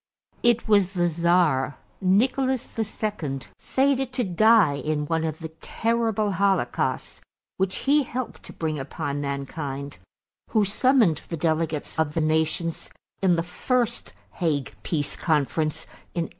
It was the Czar, Nicholas II, fated to die in one of the terrible holocausts which he helped to bring upon mankind, who summoned the delegates of the nations in the first Hague Peace Conference in 1899.